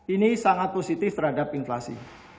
ini sangat positif terhadap inflasi